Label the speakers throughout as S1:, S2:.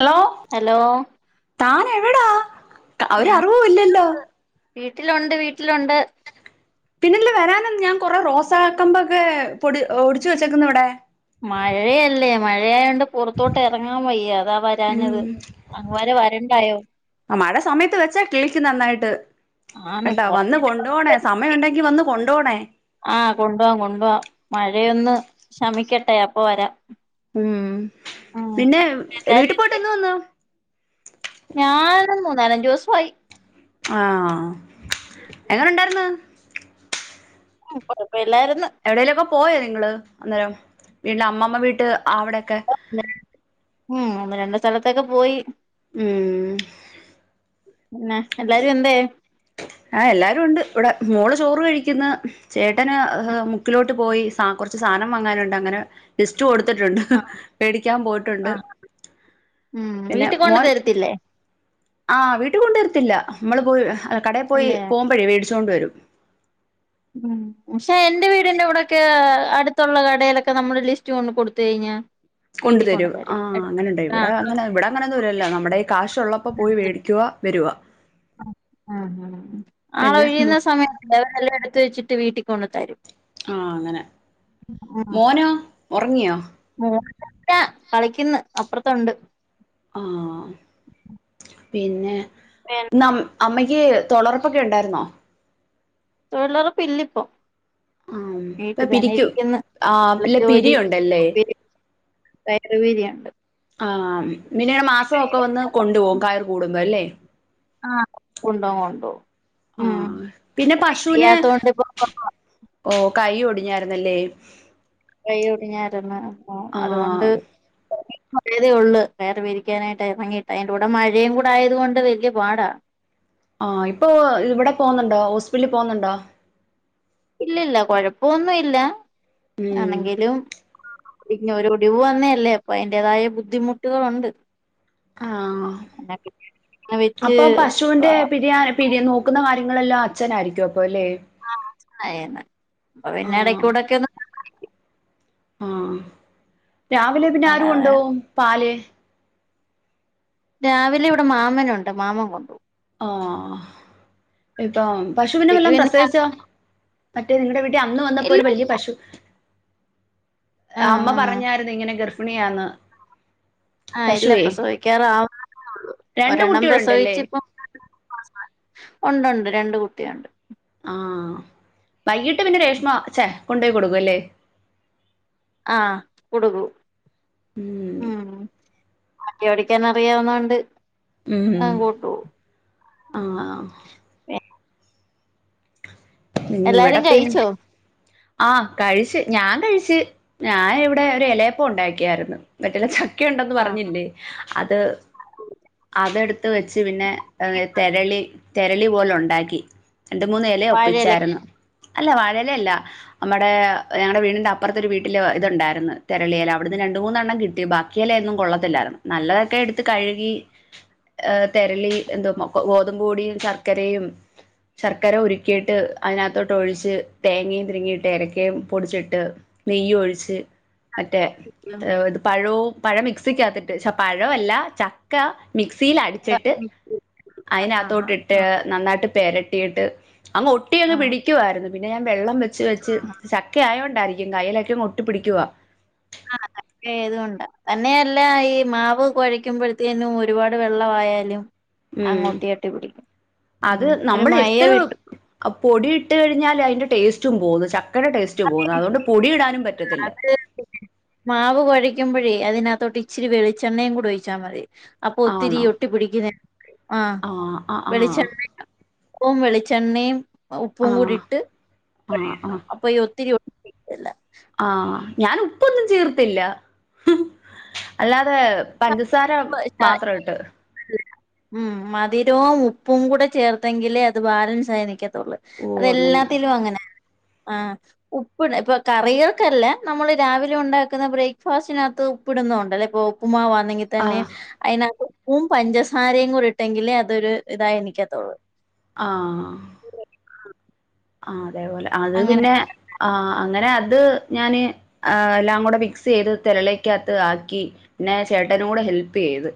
S1: Hello
S2: hello
S1: താൻ എവിടാ
S2: ഞാൻ
S1: ഒരറിവുമില്ലല്ലോ
S2: വീട്ടിലുണ്ട് വീട്ടിലുണ്ട്
S1: പിന്നെല്ല വരാഞ്ഞത് ഞാൻ കൊറെ റോസ കമ്പൊക്കെ പൊടി ഒടിച്ച് വെച്ചേക്കുന്നു ഇവിടെ
S2: മഴയല്ലേ മഴയായോണ്ട് പുറത്തോട്ട് ഇറങ്ങാൻ വയ്യ അതാ
S1: ഉം
S2: വരാഞ്ഞത് അങ്ങ് വരെ വരണ്ടായോ
S1: മഴ സമയത്ത് വെച്ചാ കിളിർക്ക് നന്നായിട്ട്
S2: ആണ്
S1: കേട്ടാ വന്ന് കൊണ്ടപോണേ സമയ ഉണ്ടെങ്കി വന്ന് കൊണ്ട
S2: ആഹ കൊണ്ടോവം കൊണ്ടോവം മഴയൊന്ന് ശമിക്കട്ടെ അപ്പ വരാം
S1: ഉം
S2: ഉം
S1: പിന്നെ വീട്ടിൽ പോയിട്ട് എന്ന് വന്നു
S2: ഞാൻ മൂന്നാലഞ്ചു ദിവസമായി
S1: ആഹ എങ്ങനെ ഉണ്ടായിരുന്ന്
S2: ആ പറ
S1: എവിടെലുമൊക്കെ പോയേ നിങ്ങള് അന്നേരം വീടിന്റെ അമ്മമ്മ വീട്ട് അവിടൊക്കെ
S2: ഉം ഒന്ന് രണ്ട് സ്ഥലത്തൊക്കെ പോയി
S1: ഉം
S2: പിന്നെ എല്ലാരും എന്തേ
S1: ആ എല്ലാവരും ഉണ്ട് ഇവിടെ മോള് ചോറ് കഴിക്കുന്നു ചേട്ടന് മുക്കിലോട്ട് പോയി സ കുറച്ച് സാധനം വാങ്ങാനുണ്ട് അങ്ങനെ ലിസ്റ്റ് കൊടുത്തിട്ടുണ്ട്
S2: ആ ആ
S1: മേടിക്കാൻ
S2: ആ
S1: പോയിട്ടുണ്ട്
S2: ഉം വീട്ടിൽ കൊണ്ട് തരത്തില്ലേ
S1: ആ വീട്ടിൽ കൊണ്ടുവരത്തില്ല നമ്മള് പോയി കടയിൽ പോയി
S2: ഇല്ലേ
S1: പോകുമ്പോഴേ മേടിച്ച് കൊണ്ട് വരും
S2: ഉ ഉഷേ എന്റെ വീടിന്റെ അവിടൊക്കെ അടുത്തുള്ള കടയിലൊക്കെ നമ്മുടെ ലിസ്റ്റ് കൊണ്ട് കൊടുത്തു കഴിഞ്ഞാ
S1: കൊണ്ടു
S2: വീട്ടിൽ കൊണ്ട്
S1: തരും ആഹ് അങ്ങനുണ്ടോ
S2: ആ
S1: ഇവിടെ അങ്ങനെ ഇവിടെ അങ്ങനെ ദൂരമില്ല നമ്മുടെ കയ്യിൽ കാശ് ഉള്ളപ്പോ പോയി മേടിക്കുവ വരുക
S2: ഉം ആഹ് ആഹ് ആള്
S1: പിന്നെ
S2: ഒഴിയുന്ന സമയത്തല്ലേ അവരെല്ലാം എടുത്ത് വെച്ചിട്ട് വീട്ടിൽ കൊണ്ട് തരും
S1: ആഹ അങ്ങനെ മോനോ ഉറങ്ങിയോ
S2: കളിക്കന്ന് അപ്പുറത്തുണ്ട്
S1: ആ പിന്നെ നം അമ്മയ്ക്ക് തൊളർപ്പൊക്കെ ഉണ്ടായിരുന്നോ
S2: തൊഴിലുറപ്പില്ലിപ്പം
S1: ആഹ് ഇപ്പൊ
S2: വീട്ടിൽ തന്നെ
S1: പിരിക്കും
S2: ഇരിക്കുന്നു
S1: ആഹ്
S2: ഉള്ള
S1: ഇല്ല
S2: ജോലി
S1: പിരിയുണ്ടല്ലേ
S2: തയറ വീതിയുണ്ട്
S1: ആ പിന്നീട് മാസമൊക്കെ വന്ന് കൊണ്ടു പോകും കയർ കൂടുമ്പോ അല്ലേ
S2: ആഹ കൊണ്ടോവും കൊണ്ടോവും ഉം
S1: ആഹ പിന്നെ പശുവിനെ
S2: വയ്യാത്തോണ്ട് ഇപ്പൊ
S1: ഓ കൈയൊടി ഞ്ഞായിരുന്നല്ലേ
S2: കൈ ഒടിഞ്ഞായിരുന്നു അപ്പ അതുകൊണ്ട്
S1: ആഹ്
S2: വന്നതേ ഉള്ളു കയർ വിരിക്കാനായിട്ട് ഇറങ്ങിയിട്ട് അതിന്റെ കൂടെ മഴയും കൂടെ ആയത് കൊണ്ട് വലിയ പാടാണ്
S1: ആ ഇപ്പൊ ഇവിടെ പോകുന്നുണ്ടോ ഹോസ്പിറ്റലിൽ പോകുന്നുണ്ടോ
S2: ഇല്ലല്ല കൊഴപ്പമൊന്നും ഇല്ല
S1: ഉം
S2: ആണെങ്കിലും പിന്നെ ഒരു ഒടിവ് വന്ന അല്ലേ അപ്പൊ അതിന്റെതായ ബുദ്ധിമുട്ടുകളുണ്ട്
S1: ആഹ
S2: പിന്നെ വെച്ച്
S1: അപ്പൊ പശുവിന്റെ പിരിയാ പിരി നോക്കുന്ന കാര്യങ്ങളെല്ലാം അച്ഛനായിരിക്കും അപ്പോ
S2: ആ അച്ഛനാ ചെയ്യുന്നേ നമ്മ പിന്നെ ഇടക്ക കൂടെക്കെ ഒന്ന് കണ്ണടക്കും
S1: ആഹ രാവിലെ പിന്നെ ആരു
S2: അല്ലാതെ
S1: കൊണ്ടോവും പാല്
S2: രാവിലെ ഇവിടെ മാമനുണ്ട് മാമൻ കൊണ്ടുപോകും
S1: ആ ഇപ്പം പശുവിനെ
S2: ഉച്ചക്ക്
S1: വല്ലോം
S2: പിന്നെ
S1: പ്രസവിച്ചോ മറ്റേ നിങ്ങളുടെ അന്ന് വന്നപ്പോ
S2: ഇല്ല
S1: ഒരു വലിയ പശു
S2: ആഹ്
S1: അമ്മ
S2: ആഹ്
S1: പറഞ്ഞായിാരരുന്നു ഇങ്ങനെ ഗർഭിണിയാന്ന്
S2: ആഹ് ഇല്ല
S1: പശുവേ
S2: പ്രസവിക്കാറാവള്ള
S1: രണ്ട്
S2: ഒരെണ്ണം
S1: കുട്ടികളുണ്ടല്ലേ
S2: പ്രസവിച്ച ഇപ്പോ ഉണ്ട് ഉണ്ട് രണ്ട് കുട്ടിയുണ്ട്
S1: ആഹ വൈകിട്ട് പിന്നെ രേഷ്മ അഛേ കൊണ്ടപോയി കൊടുക്ക അല്ലേ
S2: ആഹ് കൊടുുകൂ
S1: ഉം
S2: ബാക്കി പടിക്കാൻ അറിയാവുന്നോണ്ട് ആ കൂട്ടോ
S1: ആഹ
S2: [inaudible]
S1: നീ
S2: എല്ലാരും
S1: ഇവിടെപ്പ
S2: കഴിച്ചോ
S1: ആഹ കഴിിച്ചു ഞാൻ കഴിിച്ചു ഞാാന ഇവിടെ ഒരു ഇലയപ്പം ഉണ്ടാക്കിയായിരുന്നു മറ്റുള്ള ക്കെ ഉണ്ടെന്ന്
S2: ആഹ്
S1: പറഞ്ഞില്ലേ അത് അതെടുത്ത് വെച്ച് പിന്നെ തെരളി തെരളി പോല ഉണ്ടാക്കി രണ്ട മൂന്നേല
S2: വാഴയിലൊക്കെ
S1: ഒപ്പിച്ചായിരുന്നു അല്ല വഴല അല്ല നമ്മടെ ഞങ്ങളടെ വീടിന്റെ അപ്പുറത്ത ഒരു വീട്ടില് ഇത്ണ്ടായിരുന്നു തെരളീൽ അവിടു രണ്ട മൂന്നെണ്ണം കിട്ടി ബാക്കിയല്ലോയിന്നും കൊള്ളത്തില്ലായിരുന്നു നല്ലതൊക്കെ എടുത്ത് കഴുകി ഏർ തെരളി എന്തോ മ ഗോതുമ പൂടിയും ശർക്കരയും ശർക്കര ഉരുക്കിയിട്ട് അതിനകത്തോട്ട് ഒഴിച്ച് തേങ്ങയും തിരിങ്ങിയിട്ട് ഇരക്കയും പൊടിച്ചിട്ട് നെയ്യും ഒഴിച്ച് മറ്റേ ഇത് പഴവും പഴ മിക്സിക്കകത്തിട്ട് പ പഴമല്ല ചക്ക മിക്സിയിൽ അടിച്ചിട്ട്
S2: ആഹ് ആഹ്
S1: അതിനകത്തോട്ടിട്ട്
S2: ആഹ്
S1: നന്നായിട്ട് പേരട്ടിയിട്ട് അങ്ങ് ഒട്ടി അങ്ങ്
S2: ആഹ്
S1: പിടിക്കുായിരുന്നു പിന്നെ ഞാൻ വെള്ളം വെച്ച് വെച്ച് ചക്കയ കൊണ്ടായിരിക്കും കയ്യിലൊക്കെ ഒട്ടി പിടിക്കുവാ
S2: ആ ത ഏതൊണ്ട തന്നെയല്ല ഈ മാവ് കുഴക്കുമ്പോഴത്തേേനും ഒരുപാട് വെള്ള ആമായാലും
S1: ഉം അത്
S2: ഉം. ഒരു
S1: നമ്മൾ
S2: മയ
S1: എത്ര
S2: വിട്ടു
S1: പൊടി തട്ട് കഴിാ അതിൻന്റെ ടേസ്റ്റ പോുന്നു ചക്കയുടെ ടേസ്റ്റ പോക അതുകൊ പൊടി ഇടാനും പറ്റും
S2: ആ മാവ് കഴിക്കുമ്പോഴേ അതിനകത്തോട്ട് ഇച്ചിരി വെളിച്ചെണ്ണയും കൂടി ഒഴിച്ചാ മതി അപ്പൊ ഒത്തിരി
S1: ആണോ
S2: ഒട്ടി പിിടിക്കുന്ന ആഹ
S1: ആ ആ ആ
S2: വെളിച്ചെണ്ണയും ഉപ്പവും വെളിച്ചെണ്ണയും
S1: ആ
S2: ഉപ്പും കൂടിട്ട്
S1: ആ ആ
S2: അപ്പൊ ഒത്തിരി ഒല്ല
S1: ആഹ ഞൻ ഉപ്പൊന്നും ചീർത്തില്ല അല്ലാതെ പഞ്ച സാരം
S2: അപ്പൊ ശ-
S1: മാത്ര കേട്ട്
S2: ഉം മധുരവും ഉപ്പും കൂടെ ചേർത്തെങ്കില് അത് ബാലൻസ് ആയി നിക്ക
S1: ഓ അങ്ങനെ
S2: അതെല്ലാത്തിലും അങ്ങനെ ആ ഉപ്പിണ് ഇപ്പൊ കറികൾക്കല്ല നമ്മൾ രാവിലെ ഉണ്ടാക്കുന്ന ബ്രേക്ക്ഫാസ്റ്റിനകത്ത് ടുന്നണ്ടല്ലേ ഇപ്പ ഉ്മാ
S1: ആ
S2: തന്നെ അതിനക ഉപ്പും പഞ്ചസാരയും കൂടി ഇട്ടെങ്കിലേ അതൊരു ഇതായി എനിക്കത്തോുള്ളൂ
S1: ആ
S2: ആ
S1: ആ അതേപോലെ അത് പിന്നെ ആ അങ്ങനെ അത് ഞൻ എല്ല കൂ മിക്സ് ചെയ്ത് തിളളക്ക ആക്കി പിന്നെ ചേട്ട കൂ ഹെൽപ് ചെയ്ത്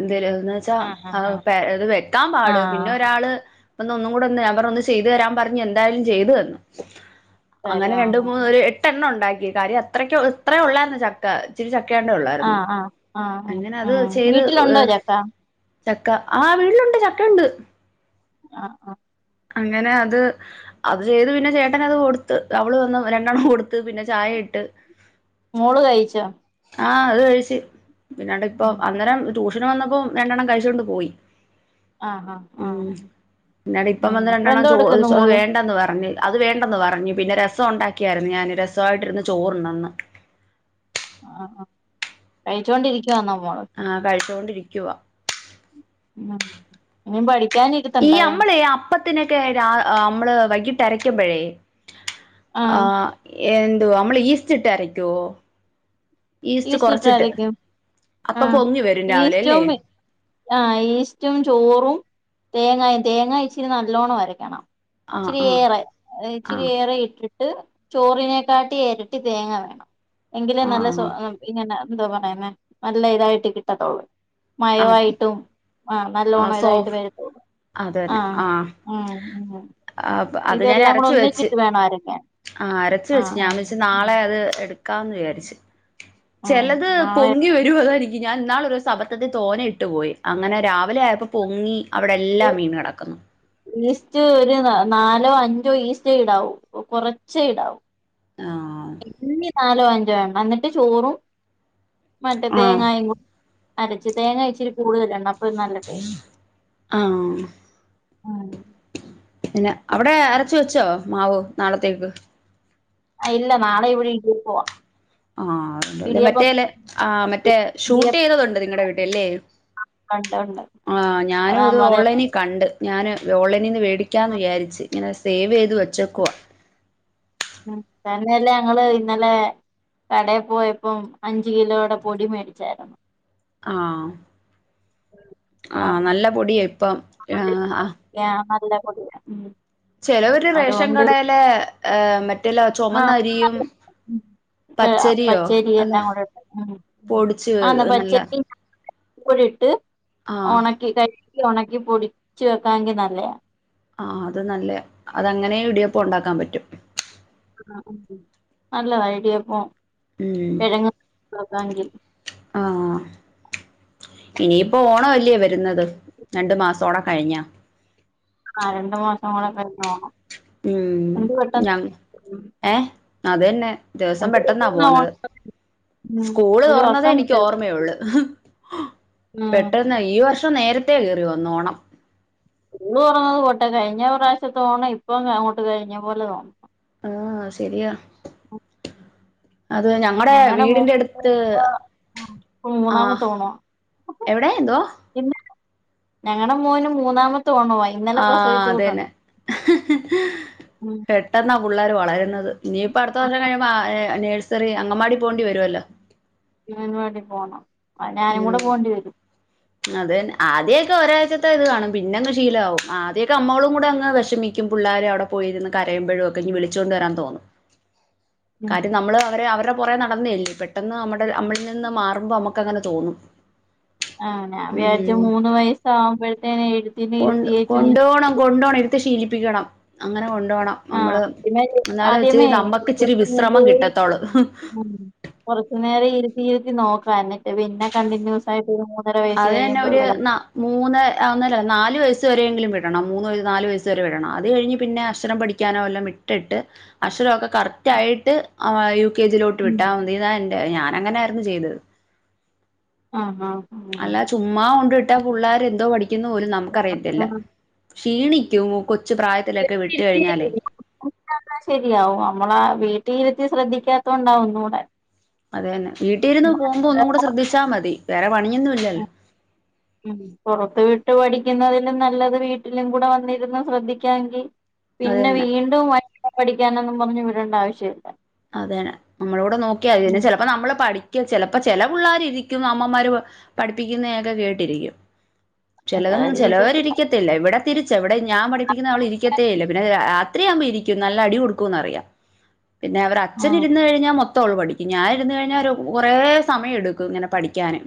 S1: എന്തേലന്ന് വെച്ചാ
S2: ആഹ് ആഹ് ആഹ്
S1: അത് വെക്കാൻ പാട് പിന്നെ
S2: ആഹ്
S1: ഒരാള് അപ്പ ഒന്നും കൂടെ ഒന്ന് അവർൊന്ന് ചെയ്തു തരാൻ പറഞ്ഞു എന്തായാലും ചെയ്തു തന്നു
S2: ശരി
S1: അങ്ങനെ രണ്ട
S2: ആഹ്
S1: മൂന്ന് ഒരു എട്ടെണ്ണം ഉണ്ടാക്കി കാര്യം അത്രക്ക ഇത്ര ഉള്ളായിരുന്നു ചക്ക ഇിരി ചക്ക വണ്ടള്ളായിരുന്നു
S2: ആഹ് ആഹ് ആഹ് ആഹ്
S1: അങ്ങന അത്
S2: ഉം
S1: ചെയ്ത് ഏ
S2: വീട്ടിലുണ്ടോ ചക്ക
S1: ചക്ക ആ വീട്ടിലുണ്ട് ചക്ക ഉണ്ട്
S2: ആഹ ആഹ
S1: അങ്ങനെ അത് അത് ചെയ്ത് പിന്നെ ചേട്ടന അത് കൊടുത്ത് അവള് വന്ന് രണ്ടെണ്ണം കൊടുത്ത് പിന്നെ ചായ എട്ട്
S2: മോള് കഴിച്ച
S1: ആഹ അത് കഴിിച്ചു പിന്നാണ്ട് ഇപ്പൊ അന്നേരം ട്യൂഷന് വന്നപ്പോ രണ്ടെണ്ണം കഴിച്ചൊണ്ട് പോയി
S2: ആഹ് ആഹ് ആഹ
S1: ഉം പിന്നാണ്ട്
S2: [unintelligible]
S1: ഇപ്പം വന്ന് രണ്ടെണ്ണം ചോ വേണ്ടന്ന് പറഞ്ഞ് അത് വേണ്ടെന്ന് പറഞ്ഞു പിന്നെ രസം ഉണ്ടാക്കിയായിരുന്നു ഞാൻ രസമായിട്ടിരുന്ന് ചോറുണ്ടന്ന്
S2: ആ കഴിച്ചോണ്ടിരിക്കും
S1: ആഹ കഴിച്ചൊണ്ടിരിക്കുവ
S2: ഉ ഇ ബടി
S1: ഈ നമ്മളെ അപ്പത്തിനൊക്കെ നമ്മള് വൈകീട്ട് അരയ്ക്കുമ്പഴേ
S2: ആഹ്
S1: ആഹ എന്ത നമ്മളെ ഈസ്റ്റ്ിട്ട അരക്ക ഈസ്റ്റ്
S2: ടീച്ചി
S1: കൊറച്ചിട്ട്
S2: ഇട്ടായിരിക്കും
S1: അപ്പ പൊങ്ങി വരും രാവിലെ അല്ലേ
S2: ആഹ ഈസ്റ്റും ചോറും തേങ്ങ തേങ്ങ ഇച്ചിരി നല്ലോണം വരക്കണം
S1: ആഹ്
S2: ചിരി േറെ ചിരി
S1: ആഹ്
S2: ഏറെ ഇട്ടിട്ട് ചോറിനെക്കാട്ടി ഇരട്ടി തേങ്ങ വേണം എങ്കും
S1: ആഹ്
S2: നല്ല
S1: ആഹ്
S2: ഇങ്ങനെ എന്താ പറയുന്നേ നല്ല ഇതായിട്ട് കിട്ടത്തോുള്ളൂ
S1: ആഹ്
S2: മയമായിട്ടും ആ
S1: ആഹ്
S2: നല്ലോണം ഇതായിട്ട്
S1: സോഫ്
S2: വരുത്തൂ
S1: അതന്നെ
S2: ആഹ
S1: ആഹ്
S2: ഉ ഉ
S1: അപ്പ
S2: ഇതെല്ലാം കൂടെ ഒന്നിച്ചിട്ട് വേണം ആരൊക്കെയൻ
S1: ആ്രച്ച വെച്ച ഞാൻ വിള നാളെ അത് എടു വിചാരി
S2: ആഹ്
S1: ചിലത്
S2: നാളെ
S1: പൊങ്ങി വരുംതായിനിക്ക് ഞാൻ ഇാളൊരു സ മത്തി തോനെ ഇട്ടു പോയി അങ്ങനെ രാവിലെ ആയപ്പോ പൊങ്ങി അവിടെ എല്ലാം വീണ് കെടക്കുന്നു
S2: ലസ്റ്റ് വരുന്നാ നാലോ അഞ്ചോ ഈസ്റ്റോ ഇടാവും കുറച്ച ഇടാവും
S1: ആഹ്
S2: ഇ നാലോ അഞ്ചോ വേണം എന്നിട്ട് ചോറും മറ്റ
S1: ആഹ്
S2: തേങ്ങായും കൂടിും അരച്ച് തേങ്ങ അച്ചിരി കൂടുല്ലണ്ണം
S1: ആഹ
S2: ഉം.
S1: പിന്നെ അവിടെ അരച്ച വെച്ചോ മാവു നാളത്തേക്ക്
S2: ആ ഇല്ല നളെ ഇവിളട്ട പോവാം
S1: ആ അ മറ്റേല്ല ആ മറ്റേ ഷൂട്ട്
S2: ഇടിയപ്പം
S1: ചെയ്തതുണ്ട് നിങ്ങളടെ വീട്ടിൽല്ലേ
S2: ഉണ്ട് ഉണ്ട്
S1: ആ ഞാനും അത്
S2: അതാവുമ്പോ അതെ
S1: ഓൺലൈനിൽ കണ്ട് ഞാാന് വോളനിീന്ന് മേടിക്കാന്ന് വിചാരിച്ചു ഇങ്ങനെ സേവ് ചെയ്ത് വെച്ചക്കവാ
S2: ഉം തന്നെയല്ലേ ഞങ്ങള് ഇന്നലെ കടയിൽ പോയപ്പം അഞ്ചു കിലോടെ പൊടി മേടിച്ചായിരുന്നു
S1: ആ
S2: അപ്പൊ
S1: ആഹ നല്ല പൊടിയ ഇപ്പം ആ ആ
S2: അ ഉ
S1: ചെിലവരു റേഷൻ കടയിലെ ഏർ മറ്റെല്ല
S2: ആ
S1: ചുമന്നരിയും
S2: നല്ല- [unintelligible] പച്ചരി എല്ലാം കൂടെ ഇട്ട്
S1: പൊടിച്ച്
S2: ആ ന്നാ
S1: നല്ല
S2: പച്ചരി [unintelligible]
S1: ആഹ്
S2: ഉണക്കി തരിച്ചു ഉണക്കി പൊടിച്ചു വെക്കാമെങ്കിൽ നല്ല...
S1: ആഹ... അത് നല്ലയാ. അതങ്ങനെ ഇടിയപ്പ ഉണ്ടാക്കാൻ പറ്റും.
S2: ആ.... അ... അ... നല്ലതാ ഇടി യപ്പോം
S1: ഉം
S2: കിഴങ് [inaudible]
S1: ആഹ് ഇനിയിപ്പോ ഓണം അല്ലേ വരുന്നത് രണ്ടു മാസോടെ കഴിഞ്ഞാ...
S2: ആഹ രണ്ടു മാസം കൂടെ കയിഞ്ഞോ ണം
S1: ഉം... ഞ... ഏഹ.. അത് തന്നെ. ദിവസം
S2: എന്ത്
S1: പെട്ടെന്നാ പോുന്നത്.
S2: ഓണം ഉം
S1: സ്കൂള്
S2: ഒരു
S1: തുറന്നതേ
S2: വർഷം
S1: എനിക്ക് ഓർമയള്ളു. മ്ഹ്...
S2: ഉം
S1: പെട്ടെന്ന് ഈ വർഷം നേരത്തെേ കയറി വന്നു... ഓണം.
S2: ഓള് പററഞ്ഞത് പോട്ടെ. കഴിഞ്ഞ പ്രാവശ്യതോണമ് ഇപ്പൊ അങ്ങോട്ട് കഴിഞ്ഞ പോലെ തോന്ന...
S1: ആഹ ശരിയാ അത് ഞങ്ങളടെ
S2: ഞങ്ങടെ
S1: വീടിന്റെ
S2: മോന്
S1: അടുത്ത്... ആ
S2: മൂന്നാമത്തെ ഓണവാ
S1: എവിടൊയ എന്തോവാ
S2: ഞങ്ങളടെ മോന് മൂന്നാമത്തെ.... ഓണവാ ഇന്നലെ
S1: ആ
S2: പ്രസവിച്ചു കൂട്ടുണ്ട്
S1: അതന്നെ ഹ് ഹ്...
S2: ഉം
S1: പെട്ടെന്ന്... പുള്ളേര് വളരുന്നത് ഇനിയിപ്പൊ അടുത്ത
S2: ആ
S1: കൊല്ലം കഴിയുമ്പോ നേഴ്സറി അങ്കമാടി പോകേണ്ടി വരുമല്ലോ
S2: അങ്കവാടിപോണം അത് ഞാനും കൂടെ പോണ്ടി വരും.
S1: അതതന്നെ ആദ്യക്കെ ഒരാഴ്ചത്തെ ഇത് കാണും. പിന്നെങ്ങ് ശീലമാവും. ആദ്യക്കെ നമ്മളും കൂടെ അങ്ങ് വിഷമിക്കും. പുള്ളേര് അവിടെ പോയിരുന്ന് കരയുമ്പഴുമൊക്കെ ഇങ്ങു വിളിച്ചൊണ്ട് വരാൻ തോന്നുമ് കാര്യം നമ്മള് അവരെ അവരെടെ [inaudible] കുറെ നടന്നല്ലേ പെട്ടെന്ന് നമ്മടെ നമ്മളിൽ നിന്ന് മാറുമ്പോ നമ്മുക്ക് അങ്ങനെ തോന്നും.
S2: ആ ഞാൻ
S1: ഉം
S2: വി്ചാരിച്ച് മൂന്ന് വയസ്സ ആകുമ്പോഴത്തേനെ എഴുതി ഇ [unintelligible]
S1: ത് ശീലപ്പിക്കണം അങ്ങനെ... നല്ലോണം
S2: ആഹ്
S1: നമ്മള്
S2: പിന്നെ
S1: എന്നാലച്ചരി
S2: ആദ്യമേ
S1: നമ്മക്ക് ഇച്ചിരി
S2: ഇവർക്ക്
S1: വിശ്രമം
S2: കൊണ്ടുപോയി
S1: കിട്ടത്തോളൂമ്ഹ്
S2: ഉം കുറച്ചു നേരം ഇരുത്തിയിരുത്തി നോക്ക എന്നിട്ട് പിന്നെ കണ്ടിന്യൂസ് ആയിട്ട്... ഒരു മൂന്നര വയസ്സ്
S1: അത് തന്നെ
S2: കഴിയുമ്പോ
S1: ഒരു
S2: വിടാം
S1: ന്ന മൂന്ന് അ ഒന്നല്ല നാല് വയസ്.... അത് വരെലും വിടണം. മൂന്ന് നല് വയസ്സുവരെലും വിടണം. അത് കഴിഞ്ഞ് പിന്നെ അക്ഷരം പഠിക്കാനോല്ലാം വട്ടിട്ട് അക്ഷര... അക്ഷരമാക്കെ കറക്ടായിട്ട് യു കെ ജിലോട്ട്
S2: ഉം
S1: വിട്ടാ മതി ഇതാ എന്റെ ഞാൻ അങ്ങനെ ആയിരുന്നു ചെയ്തത്
S2: ആ ആ
S1: അല്ല ചുമ്മാ കൊണ്ട് ഇട്ടാ പിള്ളേർ എന്തോ പഠിക്കുന്നു പോലും
S2: ആ,
S1: നമുക്കറിയത്തില്ല ക്ഷീണിക്കുമോ....
S2: [inaudible] ശെരിയാവും നമ്മളാ വീട്ട... വീട്ടിയിരുത്തി ശ്രദ്ധിക്കാത്ത കൊണ്ടാവും ഒന്നൂടെ
S1: അതെന്നെ വീട്ടിൽ ഇരുന്ന് പോകുമ്പോൾ ഒന്നും കൂടെ ശ്രദ്ധിച്ചാൽ മതി വേറെ പണിയൊന്നും ഇല്ലല്ലോ
S2: ഉംഉം പൊറത്ത് വിട്ട് പഠി... [inaudible] ക്കുന്നതിലും നല്ലത് വീട്ടിലും കൂടെ വന്നിരുന്നു ശ്രദ്ധിക്കാമെങ്കിൽ
S1: അത്
S2: പിന്നെ
S1: തന്നെ
S2: വീണ്ടും വൽ..... പഠിക്കാനന്നും പറഞ്ഞു വിടണ്ട ആവശ്യമില്ല
S1: അതന്നെ. നമ്മളൂടെ നോക്കിയ മതി ചിലപ്പോ നമ്മള് പഠി- ചെലപ്പോ ചെല പുള്ളാര് ഇരിക്കും അമ്മമാര് പഠിപ്പിക്കുന്നയൊക്കെ കേട്ടിരിക്കും. ചിലതൊന്നും ചെലോര് ഇരി
S2: ചിലരിരിക്കത്തില്ല
S1: ക്കത്തില്ല ഇവിടെ... തിരിച്ച ഇവിടെ ഞാൻ പഠിപ്പിക്കുന്ന അവള് ഇരിക്കത്തേ ഇല്ല പിന്നെ രാത്രിയാവുപോ ഇരിക്കും നല്ല അടി കൊടുക്കുമെന്നറിയാം പിന്നെ അവർ അച്ഛൻ
S2: ആഹ്
S1: ഇരുന്ന് കഴിഞ്ഞാൽ മൊത്തം ഓൾ പഠിക്കും ഞാൻ ഇരുന്ന് കഴിഞ്ഞൽ ഒരു കുറേ സമയം എടുക്കും [unintelligible] ഇങ്ങനെ പഠിക്കാനും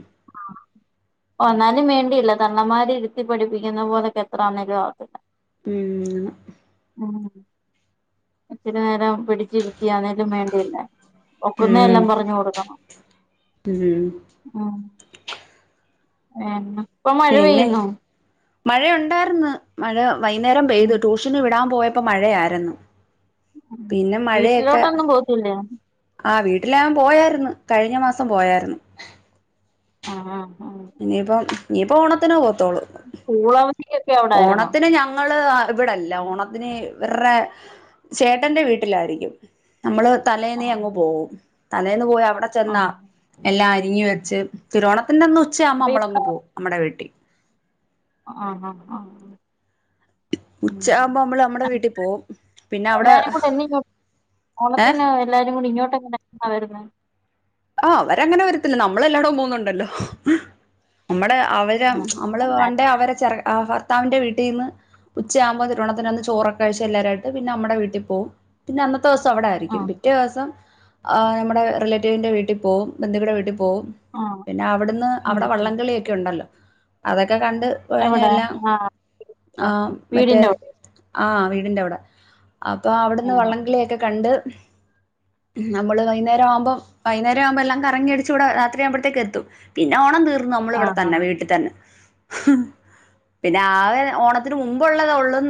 S2: ഓ എന്നാലും വേണ്ടിയില്ല തള്ളമാര് ഇരുത്തി പഠിപ്പിക്കുന്ന പോലൊക്കെ എത്ര ആന്നേലും ആകത്തില്ല
S1: ഉം ന്ന
S2: ഇത്തിരി നേരം പിടിച്ചിരുത്തി യന്നേലും വേണ്ടിയില്ല ഒക്കുന്നേ
S1: ഉം
S2: എല്ലാം പറഞ്ഞ്‌ കൊടുക്കണം.
S1: ഉം
S2: ഉം.. [unintelligible] ഇപ്പൊ മഴ പെയ്യുന്നോ
S1: മഴയ ഉണ്ടായിരുന്നു മഴ വൈകുന്നേരം പെയ്ത്
S2: ഉം
S1: ട്യൂഷന് വിടാൻ പോയപ്പോ മഴയായിരുന്നു പിന്നെ മഴയൊക്കെ
S2: വീട്ടിലോട്ടൊന്നും പോത്തില്ലേ
S1: ആ വീട്ടില ഞാൻ പോയാരുന്നു കഴിഞ്ഞ മാസം പോയായിരുന്നു
S2: ആ ആ
S1: ഇനിയിപ്പ ഇനിയിപ്പ ഓണത്തിന് പോത്തോളൂ
S2: സ്കൂളവധി
S1: ഓണത്തിന് ഞങ്ങൾ ഇവിടെല്ല ഓണത്തിന് ഇവർടെ ചേട്ടന്റെ വീട്ടിലായിരിക്കും നമ്മള് തലേന്ന്
S2: ആഹ്
S1: അങ്ങ് പോവും തലേന്ന് പോയി അവിടെ ചെന്നാ
S2: ആഹ്
S1: എല്ലാം അരിഞ്ഞ് വെച്ച് തിരുവണ പിന്നെ അന്ന് ഉച്ചയാകുമ്പോ
S2: അപ്പൊ
S1: മ്മൾ അങ്ങ് പോകും നമ്മടെ വീട്ടിൽ
S2: ആ ആ ആ
S1: ഉച്ച ആകുമ്പോ നമ്മൾ നമ്മടെ വീട്ടിൽ പോവും പിന്നെ അവിടെ
S2: എല്ലാരും കൂടെ എന്ന് ഇങ്ങോട്ട്
S1: ഏ
S2: ഓണത്തിന് എല്ലാരും കൂടി ഇങ്ങോട്ടെ എങ്ങനാ വരുന്നേ
S1: ആ അവരങ്ങനെ വരത്തില്ല നമ്മൾ എല്ലായിടും പോന്നുണ്ടല്ലോ നമ്മടെ അവര്
S2: ആഹ്
S1: നമ്മള്
S2: അന്നേരം
S1: വേണ്ടേ അവരെ ചെറ ആ ഭർത്താവിന്റെ വീട്ടീന്ന് ഉച്ചയാവുമ്പോ തിരുവോണത്തിനന്ന് ചോറൊക്കെ കഴിച്ച് എല്ലാരു ആയിട്ട് പിന്നെ നമ്മടെ വീട്ടിൽ പോവും പിന്നെ അന്ന് പത്ത് ദിവസം അവിടായിരിക്കും
S2: ആഹ്
S1: പിറ്റേ ദിവസം ആ നമ്മടെ റിലേറ്റീവിന്റെ വീട്ടിൽ പോവും ബന്ധുക്കളുടെ വീട്ടിൽ പോ പോവും
S2: ആഹ്
S1: പിന്നെ അവിടന്ന്
S2: ഉം
S1: അവിടെ
S2: ഉം
S1: വള്ളംകളിയൊക്കെ ഉണ്ടല്ലോ അതൊക്കെ ഒക്കെ കണ്ട്
S2: എവിടെ
S1: കഴിഞ്ഞല്ലാം
S2: ആഹ്
S1: ആ മറ്റേ
S2: വീടിന്റെ അവിടെ
S1: ആ വീടിന്റെ അവിടെ അപ്പൊ അവിടുന്ന്
S2: ആഹ്
S1: വള്ളംകളിയൊക്കെ കണ്ട് നമ്മൾ വൈന്നേരം ആവുമ്പം വൈന്നേരം ആകുമ്പോ എല്ലാം കറങ്ങിയടിച്ച് ഇവിടെ രാത്രിയാവുമ്പോഴത്തേക്ക് എത്തും പിന്നെ ഓണം തീർ നമ്മളിവിടെ
S2: ആഹ്
S1: തന്നെ വീട്ടിൽ തന്നെ പിന്നെ ആകെ ഓണത്തിന് മുമ്പുള്ളതെ ഉള്ള